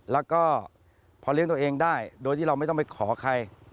แล้วก็พอเลี้ยงตัวเองได้โดยที่เราไม่ต้องไปขอใคร